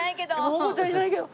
もこちゃんいないけど。